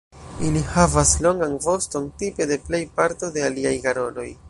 Ili havas longan voston tipe de plej parto de aliaj garoloj.